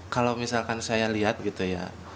kalau misalkan saya lihat gitu ya